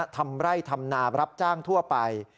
ทำไร่ทำนารับจ้างทั่วไป